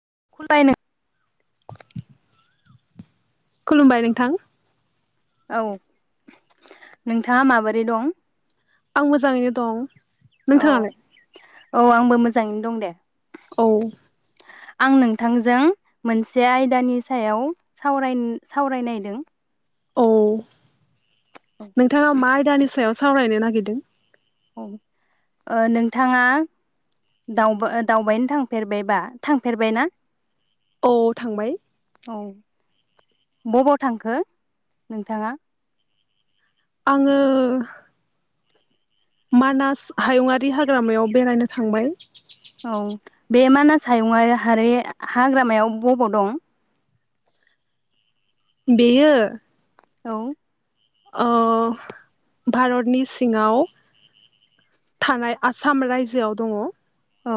[unintelligible] खुलुमबाय नोंथां औ नोंथाङा माबोरै दं आं मोजाङैनो दं औ नोंथाङालाय औ आंबो मोजां मोजाङैनो दं दे औ आं नोंथांजों मोनसे आयदानि सायाव सावराय सावरायनायदों। औ नोंथाङा मा आदानि सायाव साव सावरायनो नागिरदों औ ओ नोंथाङा दावबा दावबायनो थांफेरबायबा थांफेरबाय ना औ थांबाय बबाव थांखो नोंथाङा आङो मानास हायुङारि हाग्रामायाव बेरायनो थांबाय औ बे मानास हायुंआ हारि हाग्रामायाव बबाव दं बेयो औ ओ भारतनि सिङाव थानाय आसाम रायजोआव दङ औ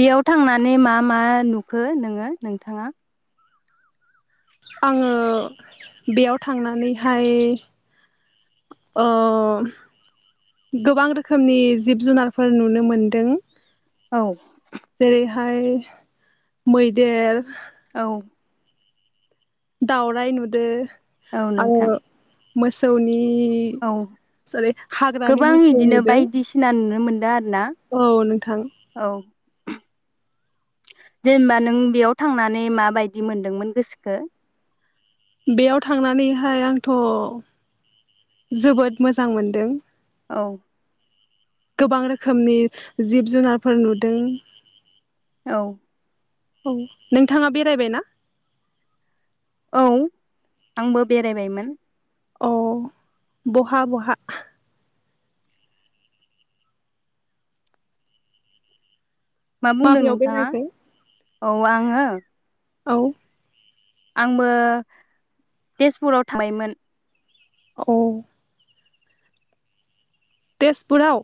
बेयाव थांनानै मा मा नुखो नोङो नोंथाङा आङो बेयाव थांनानैहाय ओ गोबां रोखोमनि जिब जुनारफोर नुनो मोनदों। औ जेरैहाय मैदेर औ दावराय नुदो औ आरो नोंथां मोसौनि औ जेरै हाग्रानि गोबां मोसौ इदिनो नुदों बायदिसिना नुनो मोनद ना औ नोंथां औ। जेनबा नों बेयाव थांनानै माबायदि मोनदोंमोन गोसोखो। बेयाव थांनानैहाय आंथ जोबोद मोजां मोनदों। औ। गोबां रोखोमनि जिब जुनारफोर नुदों। औ। औ नोंथाङा बेरायबायना। औ आंबो बेरायबायमोन। अह बहा बहा। मा बुंदों माबेयाव नोंथाङा बेरायखो औ आङो। औ। आंबो तेजपुराव थायोमोन औ। तेजपुराव।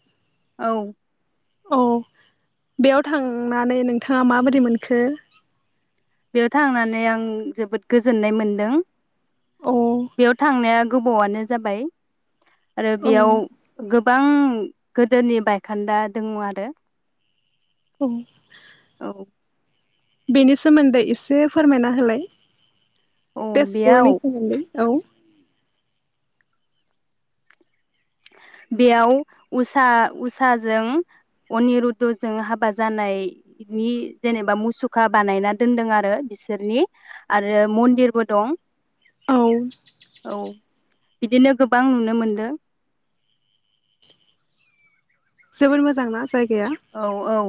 औ। औ बेयाव थांनानै नोंथाङा माबोरै मोनखो? बेयाव थांनानै आं जोबोद गोजोननाय मोनदों। अ बेयाव थांनाया। गोबावआनो जाबाय। आरो औ बेयाव गोब बां गोदोनि बायखान्दा दङो आरो। औ। औ बेनि सोमोन्दै एसे फोरमायना होलाय। औ बेयाव तेजपुरनि सोमोन्दै औ। बेयाव उसा उसाजों अनिरुधजों हाबा जानायनि जेनेबा मुसुखा बानायना दोनदों आरो बिसोरनि आरो मन्दिरबो दं। औ औ बिदिनो गोबां नुनो मोनदो जोबोर मोजां ना जाय औ औ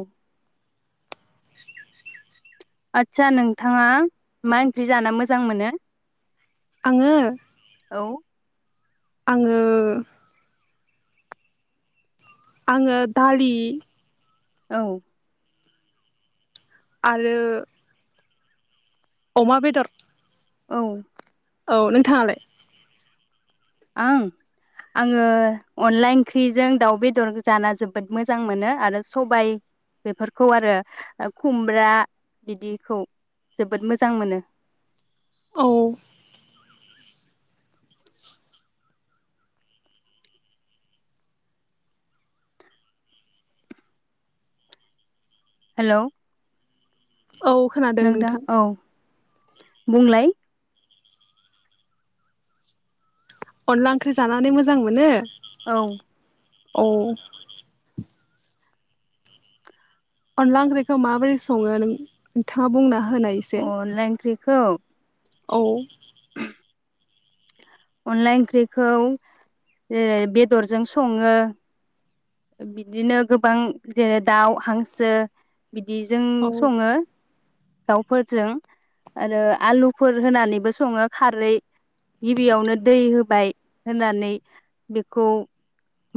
आदसा नोंथाङा मा ओंख्रि जाना मोजां मोनो? आङो औ आङो आङो दालि औ आरो अमा बेदर औ औ नोंथाङालाय ओं आङो अनला ओंख्रिजों दाउ बेदर जाना जोबोद मोजां मोनो आरो सबाय बेफोरखौ आरो खुमब्रा बिदिखौ जोबोद मोजां मोनो औ हेलौ औ खोनादों नोंथां बुंलाय अनला ओंख्रि जानानै मोजां मोनो। औ औ अनला ओंख्रिखो माबोरै सङो नों-नोंथाङा बुंनो हाग होनायसे खौऔ औ अनला ओंख्रिखौ जेरै बेदरजों सङो बिदिनो गोबां जेरै दाउ हांसो बिदिजों औ सङो दावफोरजों आरो आलुफोर होनानैबो सङो खारै गिबियावनो दै होबाय होनानै बेखौ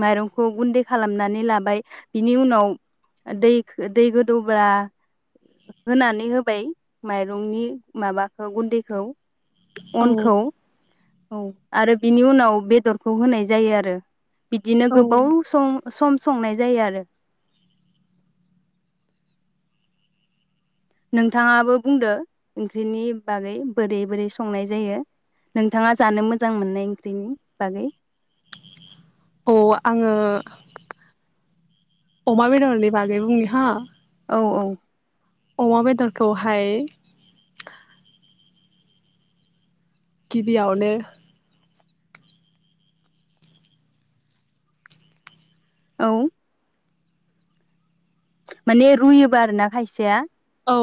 माइरंखौ गुन्दै खालामनानै लाबाय बिनि उनाव दै दै गोदौब्ला होनानै होबाय माइरंनि माबाखौ गुन्दैखौ औ अनखौ औ आरो बिनि उनाव बेदरखौ होनाय जायो आरो बिदिनो औ गोबाव सम सम संनाय जायो आरो नोंथाङाबो बुंदो ओंख्रिनि बागै बोरै बोरै संनाय जायो नोंथाङा जानो मोजां मोननाय ओंख्रिनि बागै औ आङो अमा बेदरनि बागै बुंनि हा औ औ अमा बेदरखौहाय गिबियावनो औ माने रुयोबा आरो ना खायसेया औ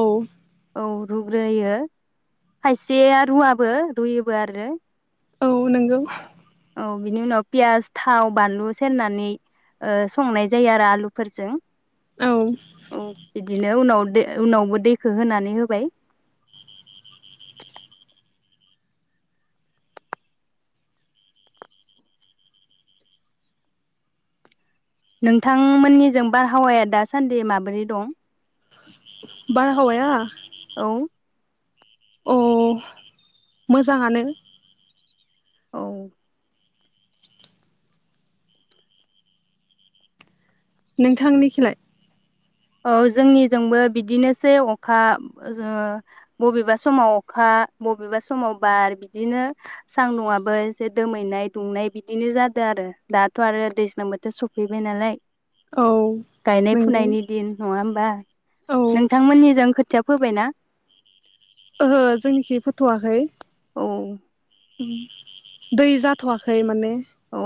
औ रुग्रोयो खायसेया रुवाबो रुयोबो आरो औ नंगौ औ बिनि उनाव पियास थाव बानलु सेरनानै ओ संनाय जायो आरो आलुफोरजों। औ औ बिदिनो उनाव दे उनावबो दैख होनानै होबाय नोंथांमोननिजों बारहावाया दासान्दि माबोरै दं? बारहावाया? औ अ मोजाङानो। औ नोंथांनि खिलाय? औ जोंनिजोंबो बिदिनोसै अखा ओ बबेबा समाव अखा बबेबा समाव बार बिदिनो सांदुंआबो एसे दोमैनाय दुंनाय बिदिनो जादों आरो दाथ आरो दैज्लां बोथोर सफैबाय नालाय। औ नंगौ। इन नङा होम्बा औ नोंथांमोननिजो खोथिया फोबायना? ओहो जोंनिखि फोथ'वाखै। औ उम दै जाथ'वाखै माने। औ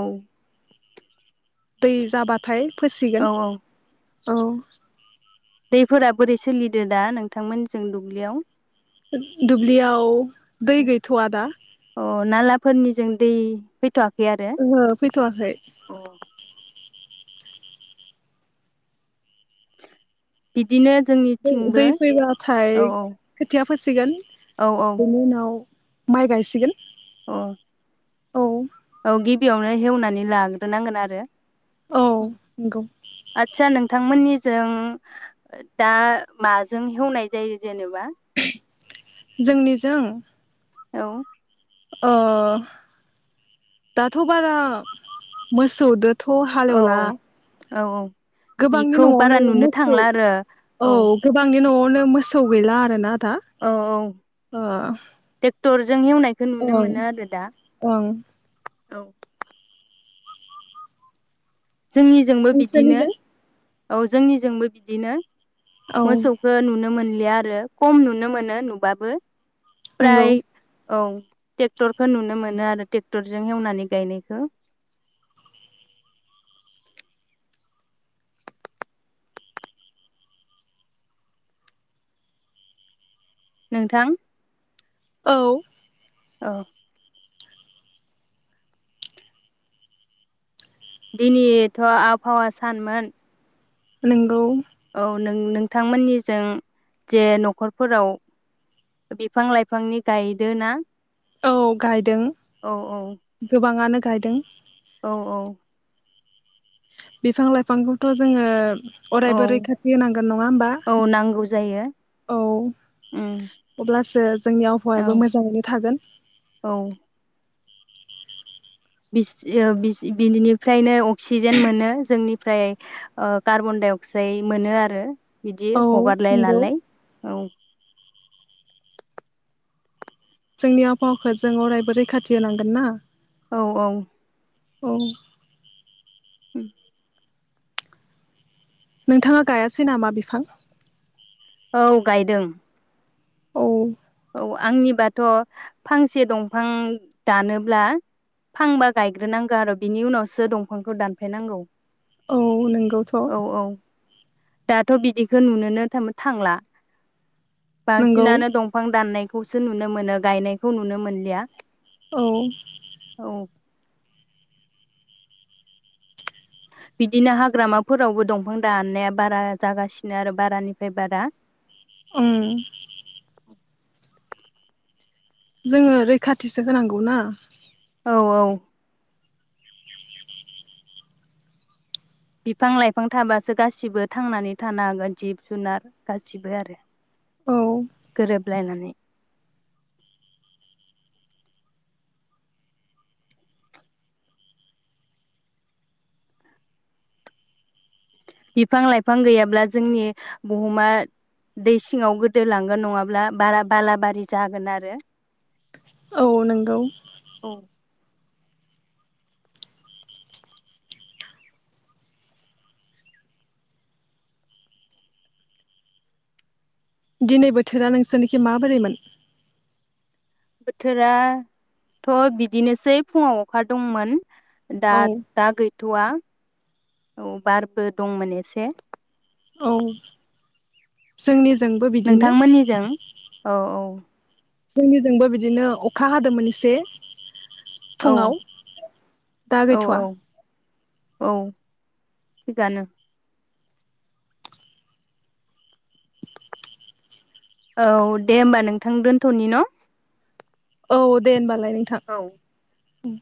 दै जाबाथाय औ फोसिगोन। औ औ। दैफोरा बोरै सोलिदो दा नोंथांमोनजों दुब्लियाव? दुब्लियाव दै गैथ'आ दा अ नालाफोरनिजों दै फैथ'वा ओहो फैथ'वाखै। बिदिनो दै जोंनिथिंबो दै फैबाथाय औ खोथिया फोसिगोन औ औ बेनि उनाव माइ गायसिगोन अ औ औ गिबियावनो हेवनानै लाग्रोनांगोन आरो औ [unintelligible] नंगौ आतसा नोंथांमोननि जों दा माजों हेवनाय जायो जेनेबा? जोंनिजों? औ अ दाथ' बारा मोसौदो थ' हाल हेवला औ औ गोबांनि बेखौ बारा न'आवनो नुनो मोसौ थांला आरो औ गोबांनि न'आव नो मोसौ गैला आरो ना औ औ टेक्टरजों एवनायखौ नुनो ओं मोनो आरो दा। ओं औ जोंनिजोंबो बिदिनो नोंसोरनिजों? औ जोंनिजोंबो बिदिनो। औ मोसौखौ नुनो मोनलि या आरो खम नुनो मोनो नुबाबो। नंगौ प्राय औ ट्रेक्टरखौ नुनो मोनो आरो ट्रेक्टरजों एवनानै गायनायखौ। नोंथां। औ औ। दिनैथ आबहावा सानमोन। नोंगौ। औ नों नोंथांमोननिजों जे नखरफोराव बिफां लाइफांनि गायदोना। औ गायदों गोबाङानो। गायदों। औ औ। बिफां लाइफांखौथ जोङो। औ अरायबो रैखाथि होनांगोन नङा होमबा औ नांगौ जायो औ उम अब्लासो। देस। जोंनि औ आबहावायाबो मोजाङैनो थागोन। औ बि बिनिफ्रायनो अक्सिजेन मोनो जोंनिफ्राय कार्बन डाइ अक्साइड मोनो आरो। बिदि औ हगारलाय नंगौ लालाय औ। जोंनि आबहावाखौ जों अरायबो रैखाथि होनांगोन ना। औ औ। औ। उम। नोंथाङा गायासै नामा बिफां। औ गायदों। औ। औ आंनिबाथ फांसे दंफां दानोब्ला फांबा गायग्रोनांगौ आरो बिनि उनावसो दंफांखौ दानफायनांगौ। औ नोंगौथ। औ औ दाथ बिदिखौ नुनोनो थाम थांला। नंगौ बांसिनानो दं। बिफां दाननायखौसो नुनो मोनो गायनायखौ नुनो मोनलिया। औ। औ बिदिनो हाग्रामाफोरावबो दंफां दा अननाया बारा जागासिनो आरो बारानिफ्राय बारा। उं जोङो रैखाथिसो होनांगौ ना। औ-औ। बिफां-लाइफां थाबासो गासिबो थांनानै थानो हागोन जिब-जुनार गासिबो आरो। औ गोरोबलायनानै। बिफां-लाइफां गैयाब्ला जोंनि बुहुमा दै सिङाव गोदोलांगोन नङाब्ला बारा बालाबारि जागोन आरो। औ नंगौ। औ दिनै बोथोरा नोंसोरनिखि माबोरैमोन। बोथोरा थ बिदिनोसै फुङाव अखा दंमोन। दा औ दा गैथवा। औ बारबो दंमोन एसे। औ जोंनि नोंथांमोननिजों औ औ जोंनिजोंबो बिदिनो अखा हादोंमोन एसे। औ फुङाव दा औ गैथवा। औ औ थिगानो औ दे होम्बा नोंथां दोनथनि न। औ दे होनबा लाय नोंथां औ उम